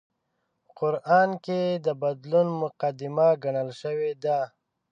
په قران کې د بدلون مقدمه ګڼل شوې ده